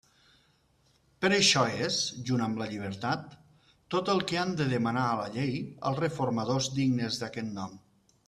Però això és, junt amb la llibertat, tot el que han de demanar a la llei els reformadors dignes d'aquest nom.